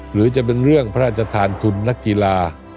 หรือจะเป็นเรื่องพระราชทานทุนนักกีฬา